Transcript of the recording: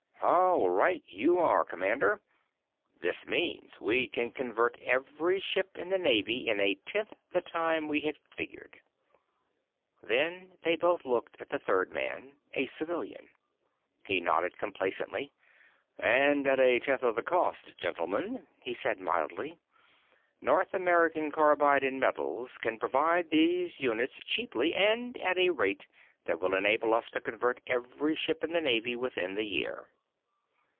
"How right you are, commander. This means we can convert every ship in the Navy in a tenth the time we had figured." Then they both looked at the third man, a civilian. He nodded complacently. "And at a tenth the cost, gentlemen," he said mildly. "North American Carbide & Metals can produce these units cheaply, and at a rate that will enable us to convert every ship in the Navy within the year."